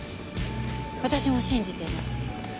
私も信じています。